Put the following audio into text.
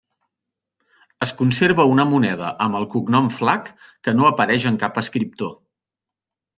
Es conserva una moneda amb el cognom Flac que no apareix en cap escriptor.